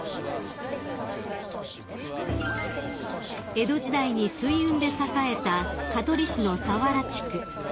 ［江戸時代に水運で栄えた香取市の佐原地区］